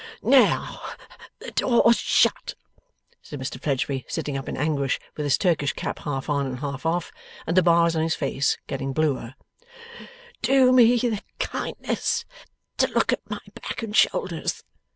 'Now the door's shut,' said Mr Fledgeby, sitting up in anguish, with his Turkish cap half on and half off, and the bars on his face getting bluer, 'do me the kindness to look at my back and shoulders.